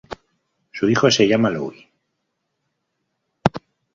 Su hijo se llama Louis.